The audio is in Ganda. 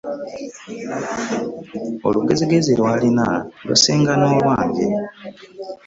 Olugezigezi lwalina lusinga n'olwange